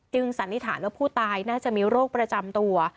สันนิษฐานว่าผู้ตายน่าจะมีโรคประจำตัว